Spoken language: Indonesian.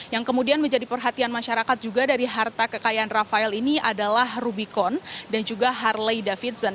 yang kemudian menjadi perhatian masyarakat juga dari harta kekayaan rafael ini adalah rubicon dan juga harley davidson